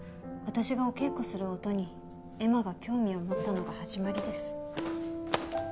私がお稽古する音に恵麻が興味を持ったのが始まりです。